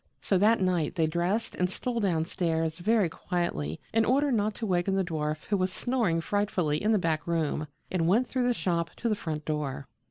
So that night they dressed and stole down stairs very quietly in order not to waken the dwarf who was snoring frightfully in the back room, and went through the shop to the front door.